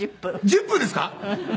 １０分ですか？